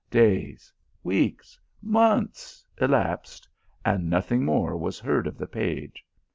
Days, weeks, months elapsed, and nothing more was heard of the page.